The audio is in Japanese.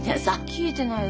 聞いてないよ